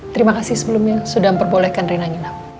terima kasih sebelumnya sudah memperbolehkan rina nginap